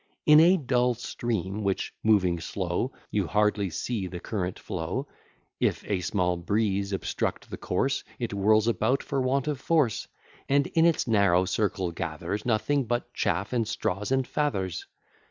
In a dull stream, which moving slow, You hardly see the current flow; If a small breeze obstruct the course, It whirls about, for want of force, And in its narrow circle gathers Nothing but chaff, and straws, and feathers.